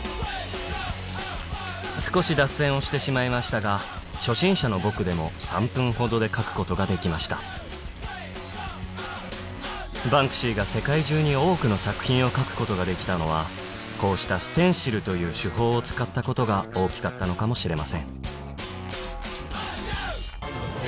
少し脱線をしてしまいましたが初心者の僕でも３分ほどで描くことができましたバンクシーが世界中に多くの作品を描くことができたのはこうしたステンシルという手法を使ったことが大きかったのかもしれませんえ